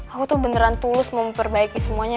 aku tuh beneran tulus memperbaiki semuanya